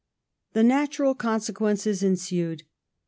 ^ The natural consequences ensued.